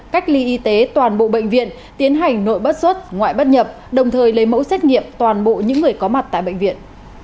cách ly y tế toàn bộ bệnh viện tiến hành nội bất xuất ngoại bất nhập đồng thời lấy mẫu xét nghiệm toàn bộ những người có mặt tại bệnh viện